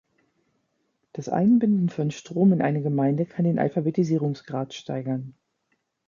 Das Einbinden von Strom in eine Gemeinde kann den Alphabetisierungsgrad steigern.